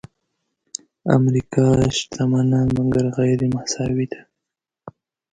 امریکا شتمنه مګر غیرمساوي ده.